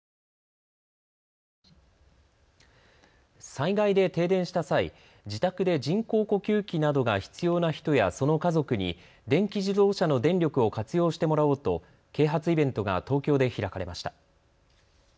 災害で停電した際、自宅で人工呼吸器などが必要な人やその家族に電気自動車の電力を活用してもらおうと啓発イベントが東京で開かれました。